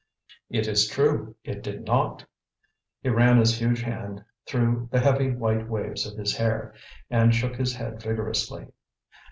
"It is true it did not." He ran his huge hand through the heavy white waves of his hair, and shook his head vigorously.